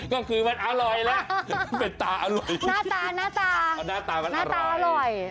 ก็คือมันอร่อยนะหน้าตามันอร่อย